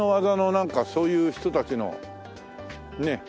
なんかそういう人たちのねえ。